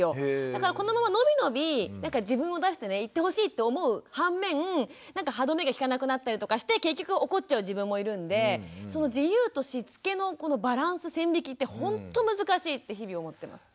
だからこのまま伸び伸び自分を出していってほしいって思う反面なんか歯止めが利かなくなったりとかして結局怒っちゃう自分もいるんでその自由としつけのバランス線引きってほんと難しいって日々思ってます。